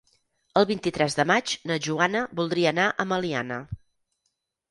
El vint-i-tres de maig na Joana voldria anar a Meliana.